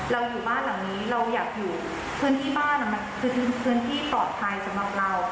เราอยู่บ้านหลังนี้เราอยากอยู่พื้นที่บ้านมันคือพื้นที่ปลอดภัยสำหรับเรา